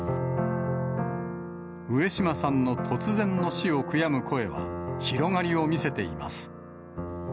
上島さんの突然の死を悔やむ声は、広がりを見せています。